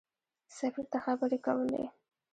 سفیر ته خبرې کولې.